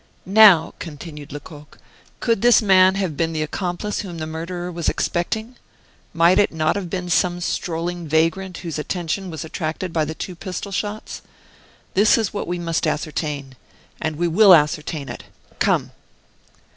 "Now," continued Lecoq, "could this man have been the accomplice whom the murderer was expecting? Might it not have been some strolling vagrant whose attention was attracted by the two pistol shots? This is what we must ascertain. And we will ascertain it. Come!"